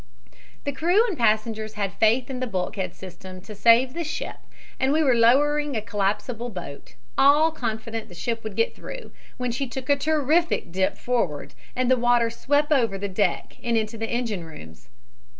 "The crew and passengers had faith in the bulkhead system to save the ship and we were lowering a collapsible boat, all confident the ship would get through, when she took a terrific dip forward and the water swept over the deck and into the engine rooms.